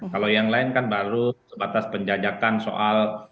kalau yang lain kan baru sebatas penjajakan soal